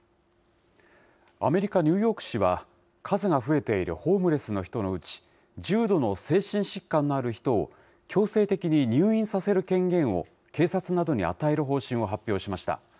アメリカ・ニューヨーク市は、数が増えているホームレスの人のうち、重度の精神疾患のある人を強制的に入院させる権限を警察などに与える方針を発表しました。